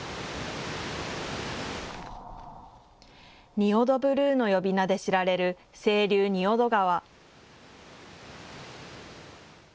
仁淀ブルーの呼び名で知られる、清流、仁淀川。